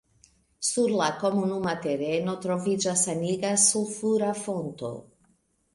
Sur la komunuma tereno troviĝas saniga sulfura fonto.